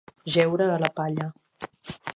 Jeure a la palla.